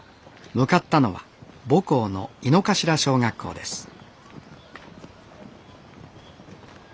向かったのは母校の猪之頭小学校です